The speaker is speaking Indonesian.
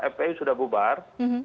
fpi sudah bubar